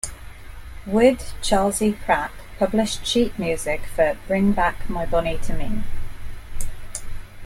Wood, Charles E. Pratt published sheet music for "Bring Back My Bonnie to Me".